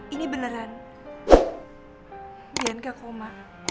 ini beneran bianca koma